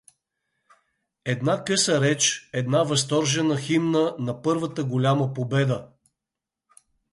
Една къса реч, една възторжена химна на първата голяма победа.